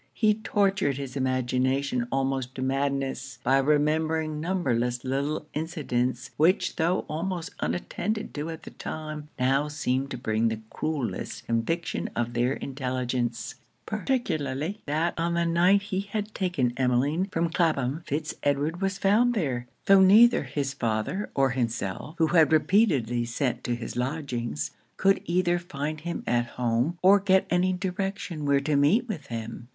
He tortured his imagination almost to madness, by remembering numberless little incidents, which, tho' almost unattended to at the time, now seemed to bring the cruellest conviction of their intelligence particularly that on the night he had taken Emmeline from Clapham, Fitz Edward was found there; tho' neither his father or himself, who had repeatedly sent to his lodgings, could either find him at home or get any direction where to meet with him.